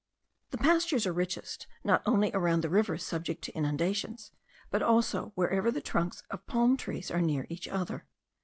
The pastures are richest not only around the rivers subject to inundations, but also wherever the trunks of palm trees are near each other.